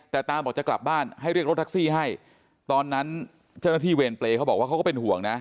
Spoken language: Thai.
แต่ตาบอกจะกลับบ้านให้เรียกรถแท็กซี่ให้ตอนนั้นเจ้าหน้าที่เวรเปรย์เขาบอกว่าเขาก็เป็นห่วงนะ